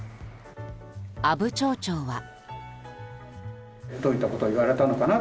阿武町長は。